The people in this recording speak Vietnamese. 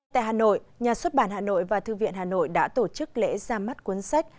tại hà nội nhà xuất bản hà nội và thư viện hà nội đã tổ chức lễ ra mắt cuốn sách